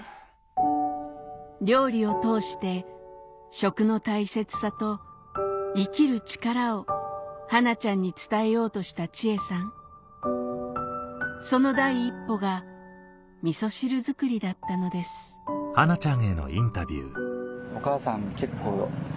料理を通して食の大切さと生きる力をはなちゃんに伝えようとした千恵さんその第一歩がみそ汁作りだったのですうん。